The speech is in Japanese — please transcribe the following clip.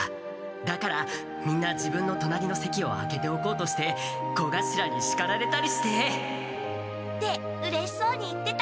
だからみんな自分のとなりの席を空けておこうとして小頭にしかられたりして。ってうれしそうに言ってた。